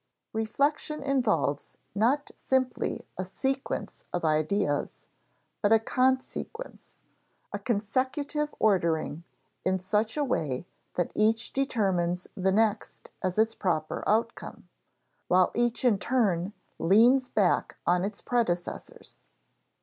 Reflection involves not simply a sequence of ideas, but a _con_sequence a consecutive ordering in such a way that each determines the next as its proper outcome, while each in turn leans back on its predecessors.